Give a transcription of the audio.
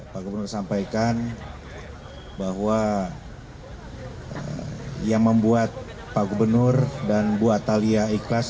pak gubernur sampaikan bahwa yang membuat pak gubernur dan bu atalia ikhlas